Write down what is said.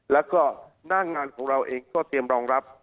แล้วก็หน้างานของเราเองก็เตรียมรองรับ